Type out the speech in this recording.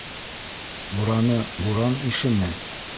Бураны буран ишеме?